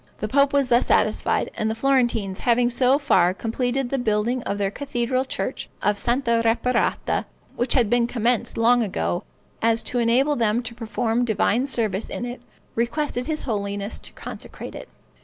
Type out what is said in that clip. The pope was thus satisfied, and the Florentines having so far completed the building of their cathedral church of Santa Reparata, which had been commenced long ago, as to enable them to perform divine service in it, requested his holiness to consecrate it.